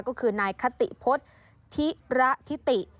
ก็คือนายคติพฤษธิระทิติ